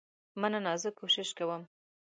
مننه زه کوشش کوم.